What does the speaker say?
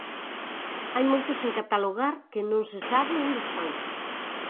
Hai moitos sen catalogar que non se sabe onde están.